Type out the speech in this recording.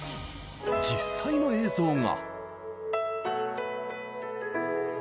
実際の映像が。